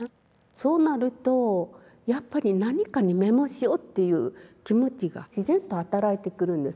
そうなるとやっぱり何かにメモしようっていう気持ちが自然と働いてくるんです。